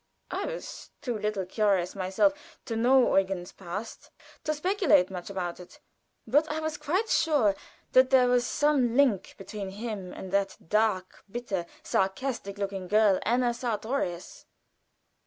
I was too little curious myself to know Eugen's past to speculate much about it; but I was quite sure that there was some link between him and that dark, bitter, sarcastic looking girl, Anna Sartorius.